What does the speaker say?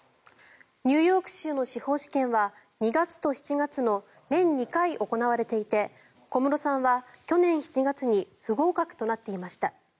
ニューヨーク州の司法試験は２月と７月の年２回行われていて小室さんは去年７月に不合格となっていました。